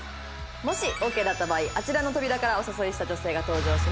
もしオーケーだった場合あちらの扉からお誘いした女性が登場します。